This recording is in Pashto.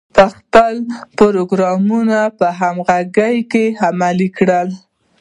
خپل پروګرامونه په همغږۍ کې عملي کړي.